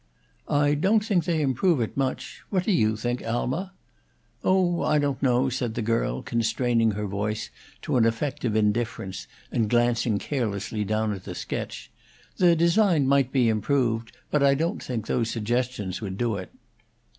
"I don't think they improve it much. What do you think, Alma?" "Oh, I don't know," said the girl, constraining her voice to an effect of indifference and glancing carelessly down at the sketch. "The design might be improved; but I don't think those suggestions would do it."